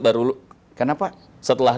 baru kenapa setelah